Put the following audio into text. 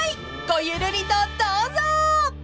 ［ごゆるりとどうぞ！］